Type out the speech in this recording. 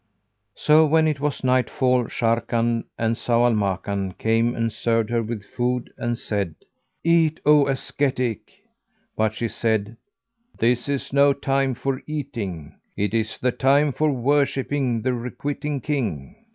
So when it was nightfall, Sharrkan and Zau al Makan came and served her with food and said, "Eat, O ascetic!" But she said, "This is no time for eating; it is the time for worshipping the Requiting King."